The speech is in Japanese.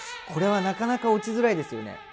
これはなかなか落ちづらいですよね。